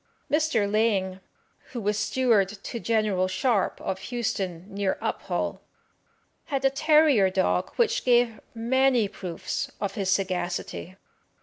Mr. Laing, who was steward to General Sharp, of Houston, near Uphall, had a terrier dog which gave many proofs of his sagacity.